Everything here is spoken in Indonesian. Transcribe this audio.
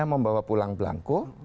dia membawa pulang belangku